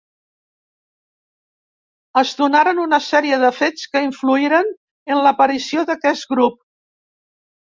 Es donaren una sèrie de fets que influïren en l'aparició d'aquest grup.